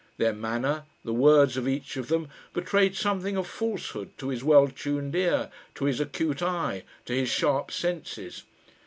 Their manner, the words of each of them, betrayed something of falsehood to his well tuned ear, to his acute eye, to his sharp senses.